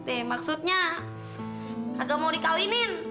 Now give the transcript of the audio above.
deh maksudnya agak mau dikawinin